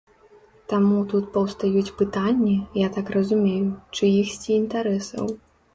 Таму тут паўстаюць пытанні, я так разумею, чыіхсьці інтарэсаў.